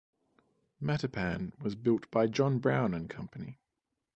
"Matapan" was built by John Brown and Company.